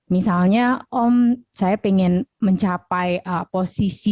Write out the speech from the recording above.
misalnya om saya ingin mencapai posisi